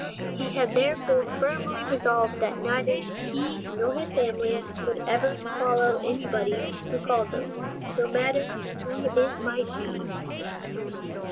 He had therefore firmly resolved that neither he nor his family would ever follow any body who called them, no matter who it might be.